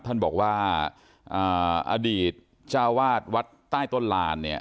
ท่านบอกว่าอดีตเจ้าวาดวัดใต้ต้นลานเนี่ย